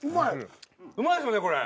うまいっすよねこれ。